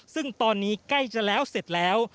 ซึ่งตอนนี้ใกล้จะแล้วเสร็จแล้ว